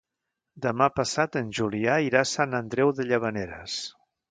Demà passat en Julià irà a Sant Andreu de Llavaneres.